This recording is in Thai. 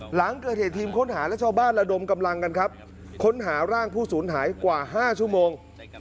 หลังเกิดเหตุทีมค้นหาและชาวบ้านระดมกำลังกันครับค้นหาร่างผู้สูญหายกว่า๕ชั่วโมง